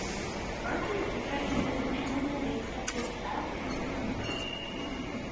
Aren't you interested in anything except yourself?